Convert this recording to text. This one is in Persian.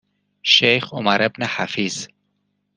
شیخ عمر بن حفیظ